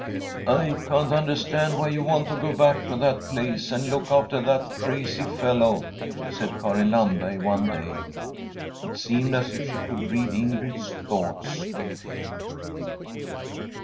' I can't understand why you want to go back to that place and look after that crazy fellow/ said Karin Landberg one day. It seemed as if she could read Ingrid's thoughts.